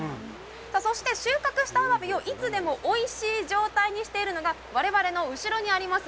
そして収穫したアワビをいつでもおいしい状態にしているのが、我々の後ろにあります